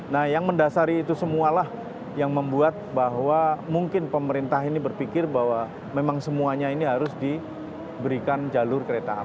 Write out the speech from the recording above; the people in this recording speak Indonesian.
nah yang mendasari itu semualah yang membuat bahwa mungkin pemerintah ini berpikir bahwa memang semuanya ini harus diberikan jalur kereta api